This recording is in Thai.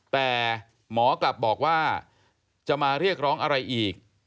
แต่หมอกลับบอกว่าจะมาเรียกร้องอะไรอีก